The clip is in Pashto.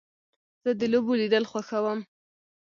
زه د لوبو لیدل خوښوم.